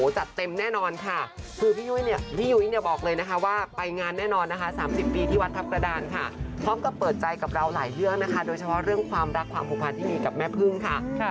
จริงใจพอใจใส่ให้เต็มที่กัด